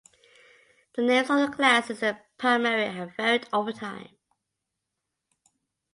The names of the classes in Primary have varied over time.